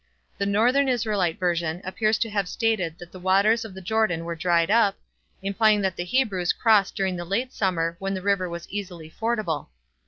The Northern Israelite version appears to have stated that the waters of the Jordan were dried up, implying that the Hebrews crossed during the late summer when the river was easily fordable.